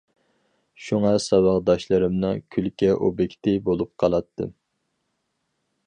شۇڭا ساۋاقداشلىرىمنىڭ كۈلكە ئوبيېكتى بولۇپ قالاتتىم.